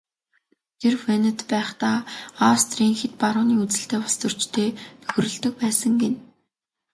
Тэр Венад байхдаа Австрийн хэт барууны үзэлтэй улстөрчтэй нөхөрлөдөг байсан гэнэ.